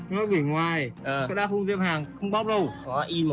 nó gửi ngoài cái đa khu tiêm hàng không bóp đâu